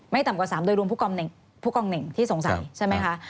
ต่ำกว่า๓โดยรวมผู้กองเหน่งที่สงสัยใช่ไหมคะ